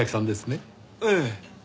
ええ。